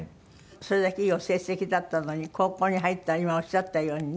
それだけいいお成績だったのに高校に入ったら今おっしゃったようにね